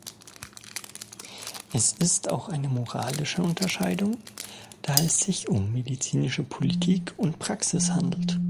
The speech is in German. Es ist auch eine moralische Unterscheidung, da es sich um medizinische Politik und Praxis handelt.